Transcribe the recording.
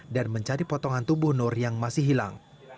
dan mencari potongan tubuh nur yang masih hilang